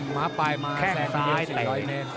ม้าปลายม้าแสงเท่าที่เดียว๔๐๐เมตร